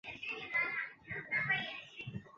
建有郑州市中心医院信息工程大学分院。